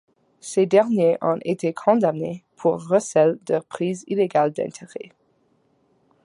Ces derniers ont été condamnés pour recel de prise illégale d'intérêts.